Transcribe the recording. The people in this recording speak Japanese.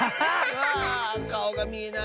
わかおがみえない。